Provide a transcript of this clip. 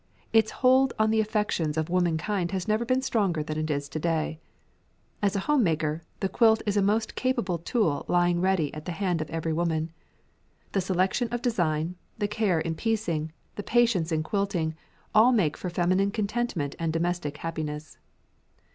Its hold on the affections of womankind has never been stronger than it is to day. As a homemaker, the quilt is a most capable tool lying ready at the hand of every woman. The selection of design, the care in piecing, the patience in quilting; all make for feminine contentment and domestic happiness.